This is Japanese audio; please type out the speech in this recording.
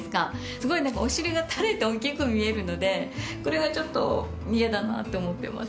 すごいお尻が垂れて大きく見えるのでそれがちょっと嫌だなと思っています。